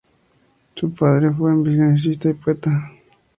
Su padre, fue abolicionista y poeta.